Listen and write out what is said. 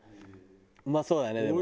うまそうだねでも。